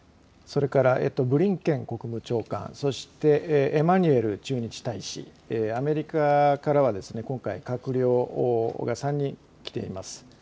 それからブリンケン国務長官、そしてエマニエル駐日大使、アメリカからは今回、閣僚が３人来ています。